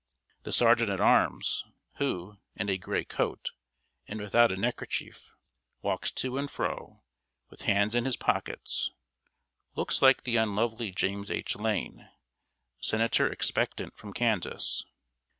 The sergeant at arms, who, in a gray coat, and without a neckerchief, walks to and fro, with hands in his pockets, looks like the unlovely James H. Lane, Senator expectant from Kansas.